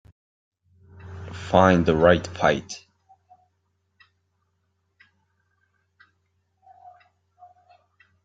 Find The Right Fight